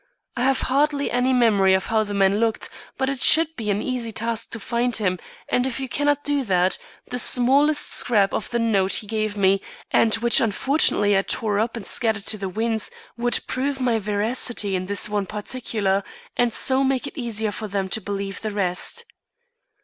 I have hardly any memory of how the man looked, but it should be an easy task to find him and if you cannot do that, the smallest scrap of the note he gave me, and which unfortunately I tore up and scattered to the winds, would prove my veracity in this one particular and so make it easier for them to believe the rest."